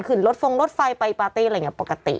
ขึ้นรถฟงรถไฟไปปาร์ตี้อะไรอย่างนี้ปกติ